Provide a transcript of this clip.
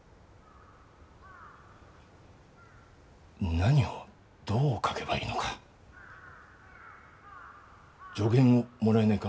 なにをどう書けばいいのか助言をもらえないか？